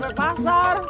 belum sampai pasar